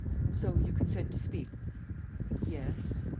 "So you consent to speak?" "Yes